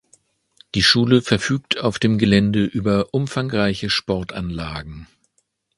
Die Schule verfügt auf dem Gelände über umfangreiche Sportanlagen.